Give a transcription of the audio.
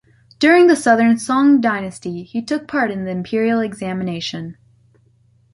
During the southern Song Dynasty, he took part in the Imperial Examination.